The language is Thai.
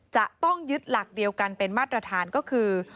จะต้องยึดหลักเดียวกันเป็นมาตรฐานก็คือ